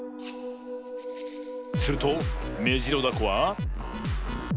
するとメジロダコは。